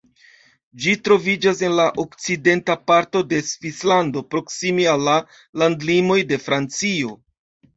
Ĝi troviĝas en la okcidenta parto de Svislando proksime al la landlimoj de Francio.